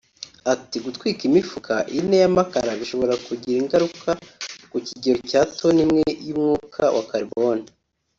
Ati “Gutwika imifuka ine y’amakara bishobora kugira ingaruka ku kigereranyo cya toni imwe y’umwuka wa carbone